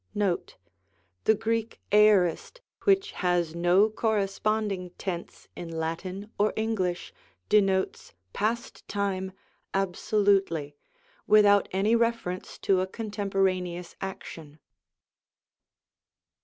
Note. The Greek Aorist, which has no corresponding tense in Latin or English, denotes past time absolutely, without any reference to a contemporaneous action.